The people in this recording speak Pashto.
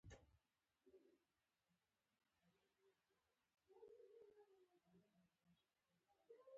مور یې کوڅه په کوڅه ګرځي